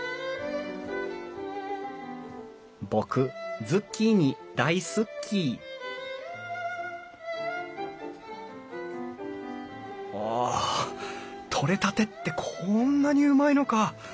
僕ズッキーニ大好っきお取れたてってこんなにうまいのか！